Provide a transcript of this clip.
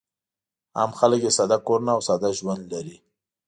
عام خلک یې ساده کورونه او ساده ژوند لري.